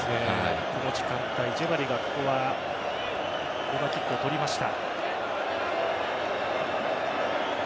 この時間帯、ジェバリがコーナーキックを取りました。